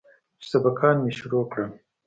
چې سبقان مې شروع کړل.